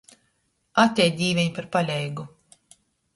Atej, Dīveņ, par paleigu!